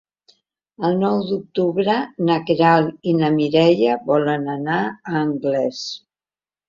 El nou d'octubre na Queralt i na Mireia volen anar a Anglès.